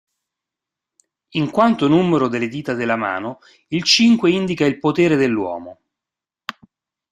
In quanto numero delle dita della mano, il cinque indica il potere dell'uomo.